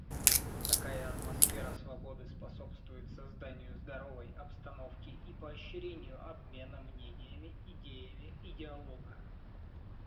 Такая атмосфера свободы способствует созданию здоровой обстановки и поощрению обмена мнениями, идеями и диалога.